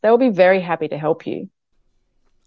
mereka akan sangat senang membantu anda